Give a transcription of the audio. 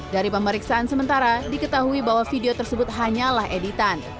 dari pemeriksaan sementara diketahui bahwa video tersebut hanyalah editan